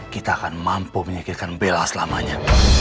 kita akan mampu menyakitkan bella selamanya